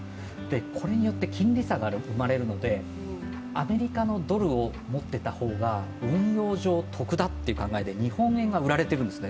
これによって金利差が生まれるのでアメリカのドルを持っていた方が、運用上、得だという考えで、日本円が売られているんですね。